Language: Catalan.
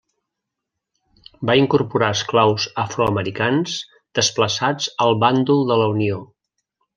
Va incorporar esclaus afroamericans desplaçats al bàndol de la Unió.